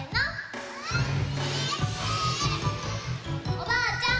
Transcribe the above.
おばあちゃん